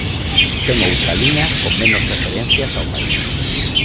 Ten outra liña con menos referencias ao país?